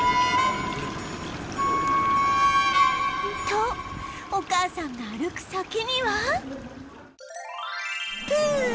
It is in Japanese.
とお母さんが歩く先には